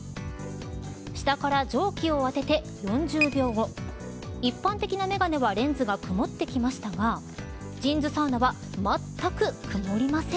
下から蒸気を当てて４０秒後一般的な眼鏡はレンズが曇ってきましたがＪＩＮＳＳＡＵＮＡは全く曇りません。